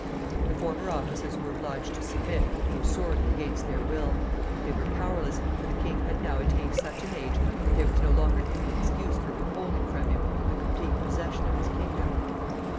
The former officers were obliged to submit, though sorely against their will. They were powerless, for the king had now attained such an age that there was no longer any excuse for withholding from him the complete possession of his kingdom.